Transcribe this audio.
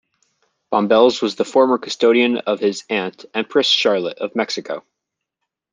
Bombelles was the former custodian of his aunt Empress Charlotte of Mexico.